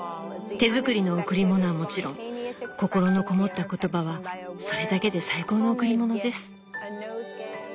手作りの贈り物はもちろん心のこもった言葉はそれだけで最高の贈り物です。